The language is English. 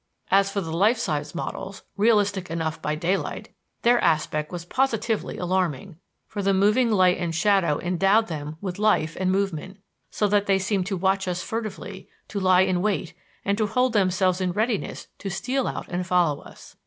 As for the life sized models realistic enough by daylight their aspect was positively alarming; for the moving light and shadow endowed them with life and movement, so that they seemed to watch us furtively, to lie in wait and to hold themselves in readiness to steal out and follow us.